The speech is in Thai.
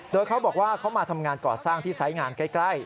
โดยเขาบอกว่าเขามาทำงานก่อสร้างที่ไซส์งานใกล้